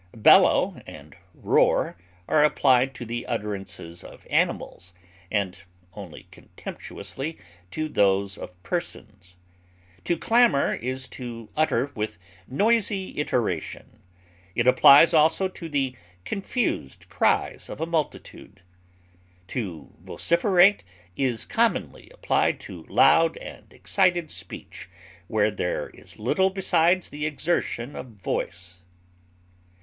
Bellow and roar are applied to the utterances of animals, and only contemptuously to those of persons. To clamor is to utter with noisy iteration; it applies also to the confused cries of a multitude. To vociferate is commonly applied to loud and excited speech where there is little besides the exertion of voice.